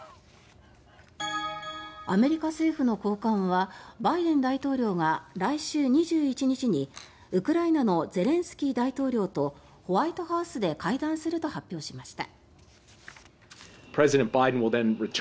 アメリカ政府の高官はバイデン大統領が来週２１日にウクライナのゼレンスキー大統領とホワイトハウスで会談すると発表しました。